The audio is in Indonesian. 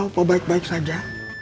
apa baik baik saja